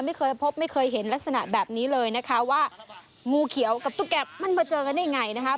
ไม่เคยพบไม่เคยเห็นลักษณะแบบนี้เลยนะคะว่างูเขียวกับตุ๊กแก่มันมาเจอกันได้ยังไงนะคะ